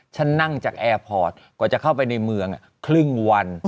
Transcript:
ฉันนั่งจากแอร์พอร์ตกว่าจะเข้าไปในเมืองครึ่งวัน